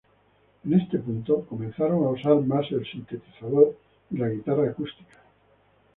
En este punto, comenzaron a usar más el sintetizador y la guitarra acústica.